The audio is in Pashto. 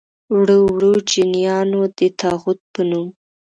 وړو وړو چڼیانو دې د طاغوت په نوم.